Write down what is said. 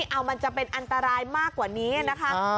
เอามันจะเป็นอันตรายมากกว่านี้นะคะ